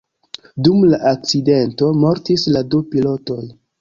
Dum la akcidento mortis la du pilotoj.